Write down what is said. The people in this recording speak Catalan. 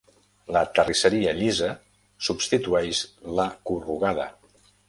La terrisseria llisa substitueix la corrugada.